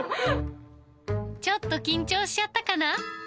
ちょっと緊張しちゃったかな？